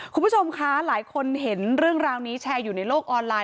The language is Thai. คุณผู้ชมคะหลายคนเห็นเรื่องราวนี้แชร์อยู่ในโลกออนไลน